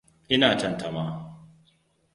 Ina tantama.